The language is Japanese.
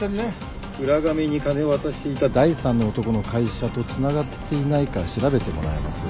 浦上に金を渡していた第３の男の会社とつながっていないか調べてもらえます？